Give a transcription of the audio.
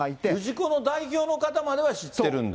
氏子の代表の方までは知ってるんだ。